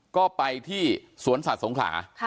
ก็ไปที่สวนสัตว์สงขลา